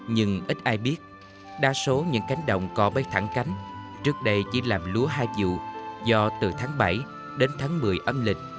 nhưng ít ai biết đa số những cánh đồng co bay thẳng cánh trước đây chỉ làm lúa hai vụ do từ tháng bảy đến tháng một mươi âm lịch